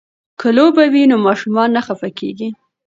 که لوبه وي نو ماشوم نه خفه کیږي.